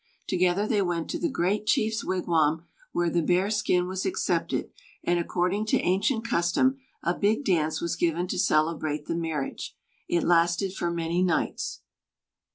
Together they went to the great chief's wigwam, where the bear skin was accepted, and, according to ancient custom, a big dance was given to celebrate the marriage. It lasted for many nights.